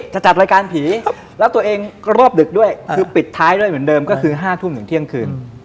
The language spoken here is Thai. จะจัดรายการผีแล้วตัวเองก็รอบดึกด้วยปิดท้ายก็คือ๕ทุ่มถึงเที่ยงคืน